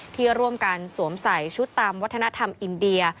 ที่ร่วมกันสวมใส่ชุดตามวัฒนธรรมอินเดีย